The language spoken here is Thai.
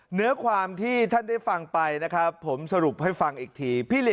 เนื้อความที่ท่านได้ฟังไปนะครับผมสรุปให้ฟังอีกที